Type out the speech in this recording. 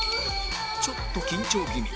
ちょっと緊張気味